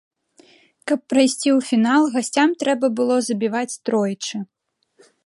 Каб прайсці ў фінал, гасцям трэба было забіваць тройчы.